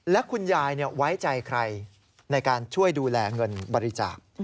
และคุณยายไว้ใจใครในการช่วยดูแลเงินบริจาค